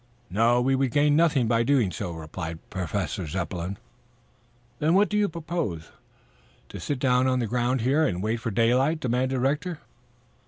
"No, we would gain nothing by so doing," replied Professor Zepplin. "Then what do you propose to sit down on the ground here and wait for daylight?" demanded Rector.